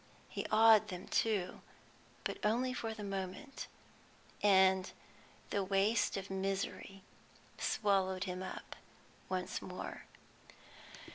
He awed them, too, but only for the moment, and the waste of misery swallowed him up once more.